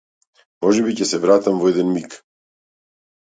Можеби ќе се вратам во еден миг.